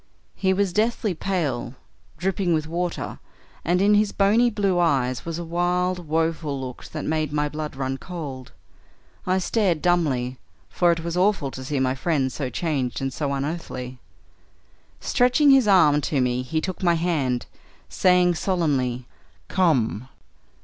He was deathly pale, dripping with water, and in his bonny blue eyes was a wild, woeful look that made my blood run cold. I stared dumbly, for it was awful to see my friend so changed and so unearthly. Stretching his arm to me he took my hand, saying solemnly, 'Come!'